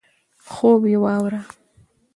خوب یې واوره.